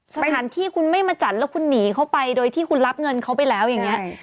สถานที่คุณไม่มาจัดแล้วคุณหนีเข้าไปโดยที่คุณรับเงินเขาไปแล้วอย่างนี้